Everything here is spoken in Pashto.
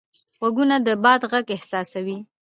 غوږونه د باد غږ احساسوي